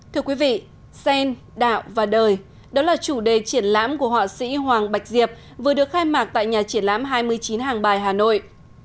thưa quý vị sen đạo và đời đó là chủ đề triển lãm của họa sĩ hoàng bạch diệp vừa được khai mạc tại nhà triển lãm hai mươi chín hàng bài hà nội